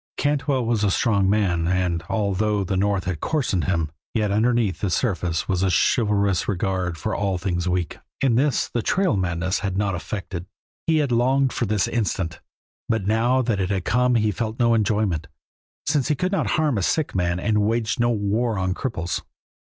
Cantwell was a strong man, and, although the North had coarsened him, yet underneath the surface was a chivalrous regard for all things weak, and this the trail madness had not affected. He had longed for this instant, but now that it had come he felt no enjoyment, since he could not harm a sick man and waged no war on cripples.